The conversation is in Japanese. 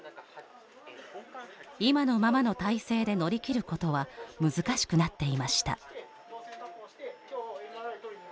今のままの体制で乗り切ることは難しくなっていました。